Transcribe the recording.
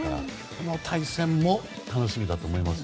その対戦も楽しみだと思います。